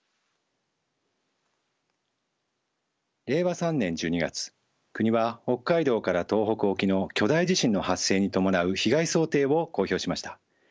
令和３年１２月国は北海道から東北沖の巨大地震の発生に伴う被害想定を公表しました。